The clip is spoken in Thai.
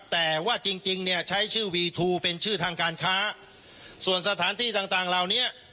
แต่ว่าจริงจริงเนี่ยใช้ชื่อวีทูเป็นชื่อทางการค้าส่วนสถานที่ต่างต่างเหล่านี้